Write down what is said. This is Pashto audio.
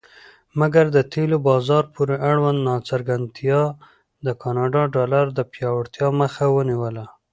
مګر د تیلو بازار پورې اړوند ناڅرګندتیا د کاناډا ډالر د پیاوړتیا مخه ونیوله.